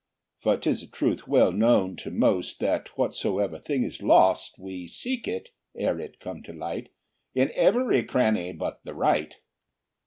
For 'tis a truth well known to most, That whatsoever thing is lost, We seek it, ere it come to light, In every cranny but the right.